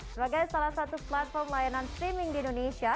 sebagai salah satu platform layanan streaming di indonesia